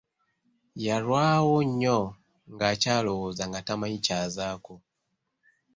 Yalwawo nnyo ng'akyalowooza nga tamanyi kyazaako.